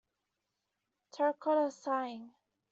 Terracotta Sighing.